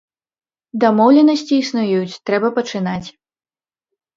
Дамоўленасці існуюць, трэба пачынаць.